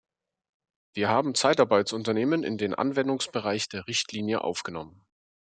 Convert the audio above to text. Wir haben Zeitarbeitsunternehmen in den Anwendungsbereich der Richtlinie aufgenommen.